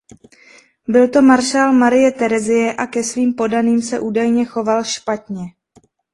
Byl to maršál Marie Terezie a ke svým poddaným se údajně choval špatně.